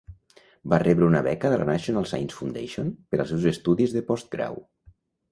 Va rebre una beca de la National Science Foundation per als seus estudis de postgrau.